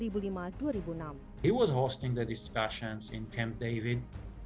beliau mendukung pembicaraan di camp david